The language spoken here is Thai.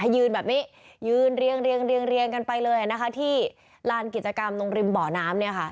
ยืนแบบนี้ยืนเรียงกันไปเลยนะคะที่ลานกิจกรรมตรงริมบ่อน้ำเนี่ยค่ะ